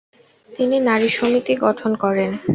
তিনি নারী-সমিতি গঠন করেন।